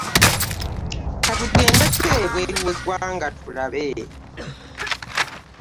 Ka tugendeko ebweru w'eggwanga tulabe.